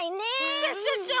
クシャシャシャ！